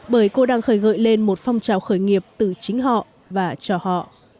bởi cô đang khởi gợi lên một phong trào khởi nghiệp từ chính họ và cho họ